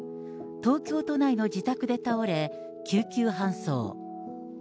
東京都内の自宅で倒れ、救急搬送。